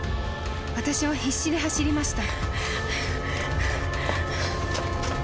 私は必死で走りました］